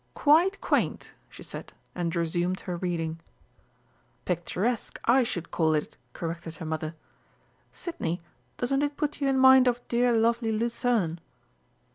"Quite quaint!" she said, and resumed her reading. "Picturesque, I should call it," corrected her mother. "Sidney, doesn't it put you in mind of dear lovely Lucerne?"